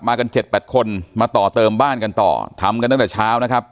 กันเจ็ดแปดคนมาต่อเติมบ้านกันต่อทำกันตั้งแต่เช้านะครับ